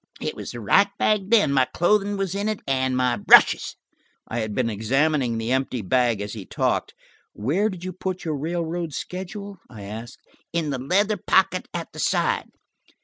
It was the right bag then; my clothing was in it, and my brushes." I had been examining the empty bag as he talked. "Where did you put your railroad schedule?" I asked. "In the leather pocket at the side."